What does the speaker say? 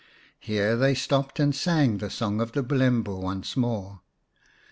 Here they stopped and sang the song of the Bulembu once more.